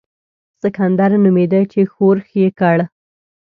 سکندر نومېدی چې ښورښ یې کړ.